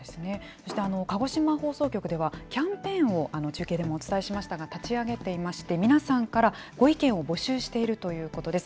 そして鹿児島放送局ではキャンペーンを中経でもお伝えしましたが立ち上げていまして、皆さんからご意見を募集しているということです。